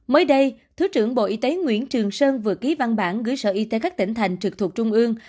mới đây thứ trưởng bộ y tế nguyễn trường sơn vừa ký văn bản gửi sở y tế các tỉnh thành trực thuộc trung ương